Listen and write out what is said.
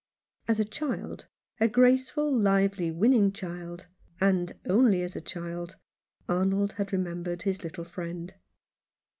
As a child — a graceful, lively, winning child — and only as a child, Arnold had remembered his little friend.